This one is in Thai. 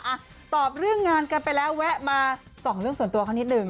อ่ะตอบเรื่องงานกันไปแล้วแวะมาส่องเรื่องส่วนตัวเขานิดหนึ่ง